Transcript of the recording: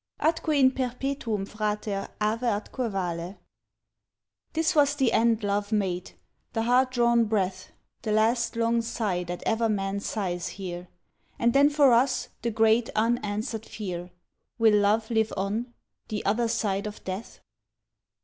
"ATQUE IN PERPETUUM FRATER AVE ATQUE VALE" This was the end love made, the hard drawn breath, The last long sigh that ever man sighs here; And then for us, the great unanswered fear, Will love live on, the other side of death?